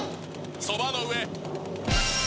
そばの上。